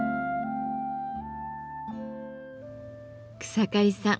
草刈さん